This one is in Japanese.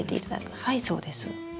はいそうです。